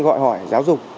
gọi hỏi giáo dục